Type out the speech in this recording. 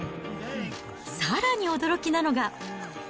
さらに驚きなのが。